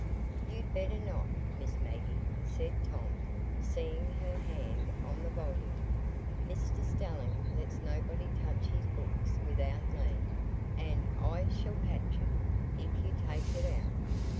"You'd better not, Miss Maggie," said Tom, seeing her hand on the volume. "Mr Stelling lets nobody touch his books without leave, and I shall catch it, if you take it out."